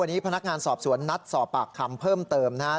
วันนี้พนักงานสอบสวนนัดสอบปากคำเพิ่มเติมนะครับ